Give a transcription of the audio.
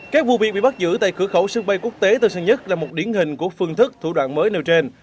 các vụ việc bị bắt giữ tại cửa khẩu sân bay quốc tế tân sơn nhất là một điển hình của phương thức thủ đoạn mới nêu trên